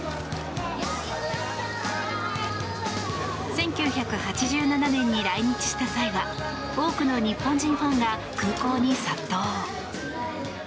１９８７年に来日した際は多くの日本人ファンが空港に殺到。